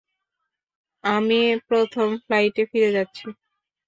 আমি প্রথম ফ্লাইটে ফিরে যাচ্ছি।